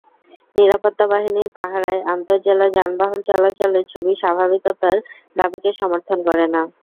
নিরাপত্তা বাহিনীর পাহারায় আন্তজেলা যানবাহন চলাচলের ছবি স্বাভাবিকতার দাবিকে সমর্থন করে না।